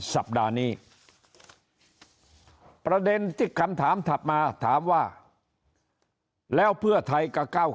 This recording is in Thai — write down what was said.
สัปดาห์นี้ประเด็นที่คำถามถัดมาถามว่าแล้วเพื่อไทยกับเก้า